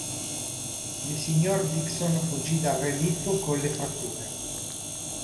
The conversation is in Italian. Il sig. Dixon fuggì dal relitto con le fratture.